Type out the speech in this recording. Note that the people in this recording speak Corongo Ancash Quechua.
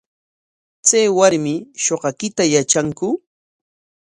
¿Chay warmi shuqakuyta yatranku?